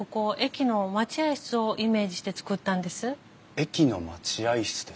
駅の待合室ですか。